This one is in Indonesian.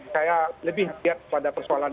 saya lebih lihat pada persoalan